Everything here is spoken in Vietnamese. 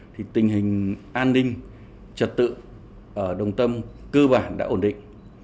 thì tình hình an ninh trật tự ở đồng tâm cơ bản đã ổn định